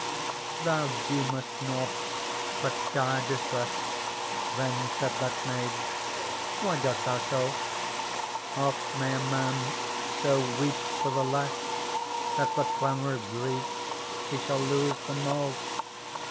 '^Thou deemest nought but dire distress," Then said that maid ;*' why dost thou so ? Oft may a man so weep for the less. That for clamour of grief he shall lose the moe.